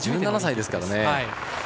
１７歳ですからね。